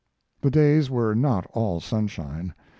The days were not all sunshine.